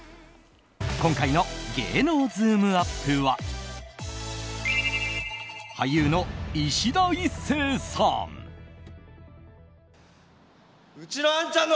今回の芸能ズームＵＰ！は俳優のいしだ壱成さん。